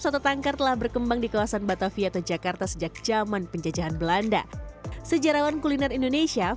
soto tangkar telah berkembang di kawasan batavia jakarta sejak zaman penjajahan belanda sejarawan